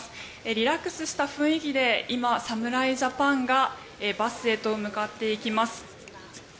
リラックスした雰囲気で今、侍ジャパンがバスへと向かっていきます。